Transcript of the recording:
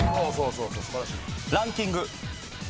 ランキング。